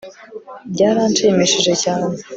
Byaranshimishije cyane